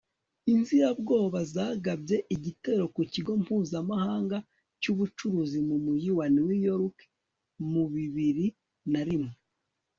inzirabwoba zagabye igitero ku kigo mpuzamahanga cy'ubucuruzi mu mujyi wa new york mu bibiri na rimwe